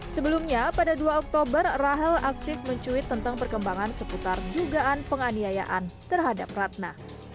sebelumnya pada dua oktober rahel aktif mencuit tentang perkembangan seputar dugaan penganiayaan terhadap ratna